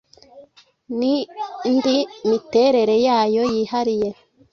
n’indi miterere yayo yihariye